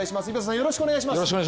よろしくお願いします。